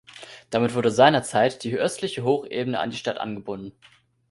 Damit wurde seinerzeit die östliche Hochebene an die Stadt angebunden.